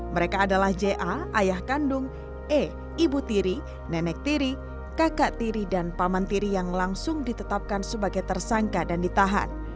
mereka adalah ja ayah kandung e ibu tiri nenek tiri kakak tiri dan paman tiri yang langsung ditetapkan sebagai tersangka dan ditahan